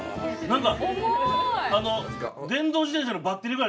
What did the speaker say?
何かあの。